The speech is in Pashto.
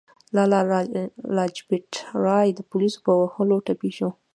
لالا لاجپت رای د پولیسو په وهلو ټپي شو.